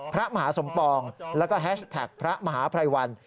พระมหาสมปองแล้วก็แฮชแท็กพระมหาภัยวัน